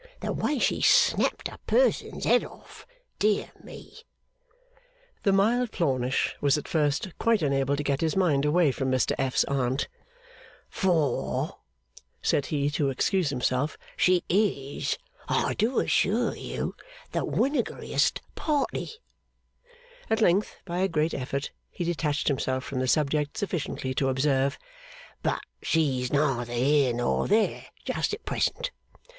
The way she snapped a person's head off, dear me!' The mild Plornish was at first quite unable to get his mind away from Mr F.'s Aunt. 'For,' said he, to excuse himself, 'she is, I do assure you, the winegariest party.' At length, by a great effort, he detached himself from the subject sufficiently to observe: 'But she's neither here nor there just at present.